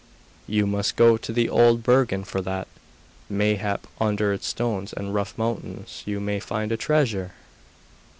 'You must go to the Old Bergen for that. Mayhap under its stones and rough mountains you may find a treasure!